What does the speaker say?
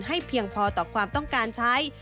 เพียงพอต่อความต้องการใช้